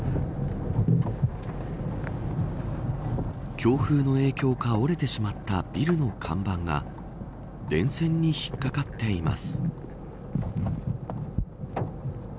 強風の影響か折れてしまったビルの看板が電線に引っかかっています。